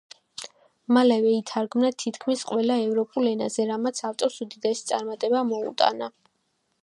მალევე ითარგმნა თითქმის ყველა ევროპულ ენაზე, რამაც ავტორს უდიდესი წარმატება მოუტანა.